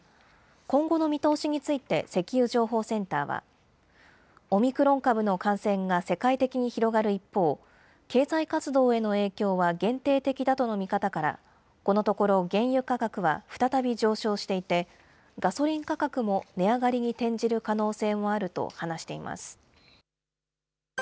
今後の見通しについて、石油情報センターは、オミクロン株の感染が世界的に広がる一方、経済活動への影響は限定的だとの見方から、このところ、原油価格は再び上昇していて、ガソリン価格も値上がりに転じる可能性もあると話しています。